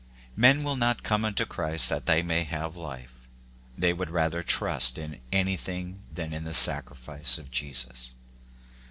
Men will not come unto Christ that they may have life. They would rather trust in anything than in the sacrifice of Jesus.